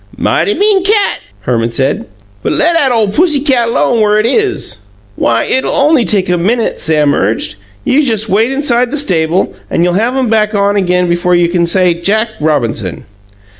"Mighty mean cat!" Herman said. "Bet' let 'at ole pussy cat 'lone whur it is." "Why, it'll only take a minute," Sam urged. "You just wait inside the stable and you'll have 'em back on again before you could say 'Jack Robinson.'"